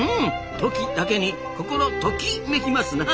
トキだけに心トキめきますな。